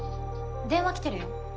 電話来てるよ